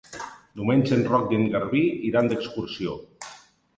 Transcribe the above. Diumenge en Roc i en Garbí iran d'excursió.